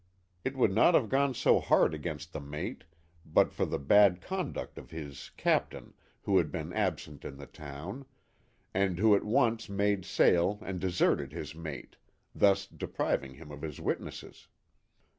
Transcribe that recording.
It would not have gone so hard against the mate but for the bad conduct of his captain 148 THE HAT OF THE POSTMASTER. who had been absent in the town, and who at once made sail and deserted his mate thus depriving him of his witnesses.